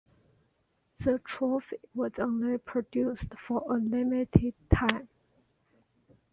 The Trophy was only produced for a limited time.